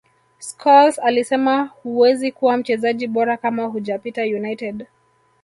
scholes alisema huwezi kuwa mchezaji bora kama hujapita united